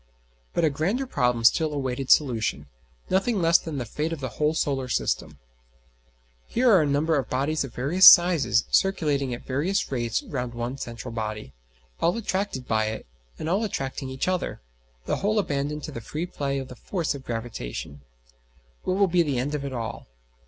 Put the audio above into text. But a grander problem still awaited solution nothing less than the fate of the whole solar system. Here are a number of bodies of various sizes circulating at various rates round one central body, all attracted by it, and all attracting each other, the whole abandoned to the free play of the force of gravitation: what will be the end of it all?